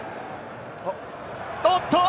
おっと！